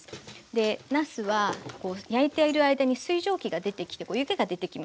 でなすは焼いている間に水蒸気が出てきて湯気が出てきます。